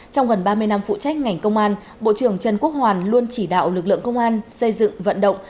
trong gần ba mươi năm phụ trách ngành công an bộ trưởng trần quốc hoàn luôn chỉ đạo lực lượng công an xây dựng vận động